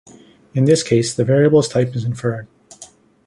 In this case, the variable's type is inferred.